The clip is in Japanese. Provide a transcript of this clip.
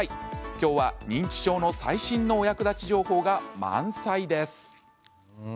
今日は認知症の最新のお役立ち情報が満載です。